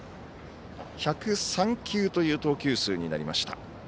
１０３球という投球数になりました。